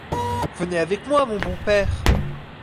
Venez avec moi, mon bon père!